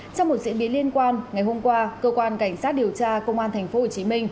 trong một diễn biến liên quan ngày hôm qua cơ quan cảnh sát điều tra công an tp hcm